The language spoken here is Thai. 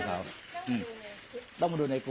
ยิงก็ไม่รู้นะครับ